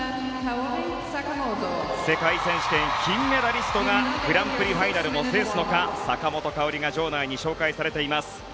世界選手権金メダリストがグランプリファイナルを制すのか坂本花織が場内に紹介されています。